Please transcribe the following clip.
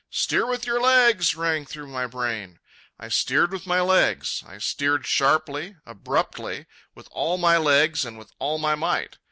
"Steer with your legs!" rang through my brain. I steered with my legs, I steered sharply, abruptly, with all my legs and with all my might.